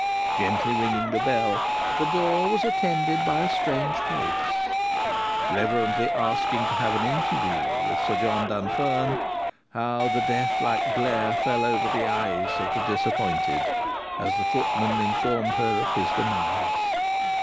Gently ringing the bell, the door was attended by a strange face. Reverently asking to have an interview with Sir John Dunfern, how the death like glare fell over the eyes of the disappointed as the footman informed her of his demise!